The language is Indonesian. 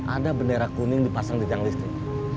ada bendera kuning dipasang di tiang listrik